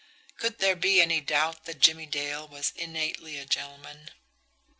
Could there be any doubt that Jimmie Dale was innately a gentleman?